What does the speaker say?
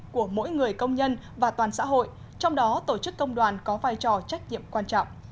của mỗi người công nhân và toàn xã hội trong đó tổ chức công đoàn có vai trò trách nhiệm quan trọng